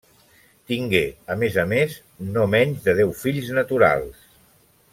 Tingué, a més a més, no menys de deu fills naturals.